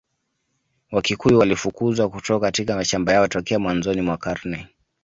Wakikuyu walifukuzwa kutoka katika mashamba yao tokea mwanzoni mwa karne